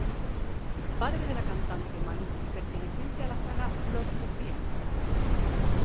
Padre de la cantante Malú y perteneciente a la saga de "Los Lucía".